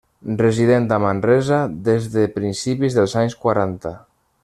Resident a Manresa des de principis dels anys quaranta.